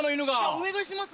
お願いします！